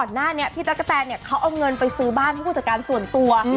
หน้านี้พี่ตั๊กกะแตนเนี่ยเขาเอาเงินไปซื้อบ้านให้ผู้จัดการส่วนตัว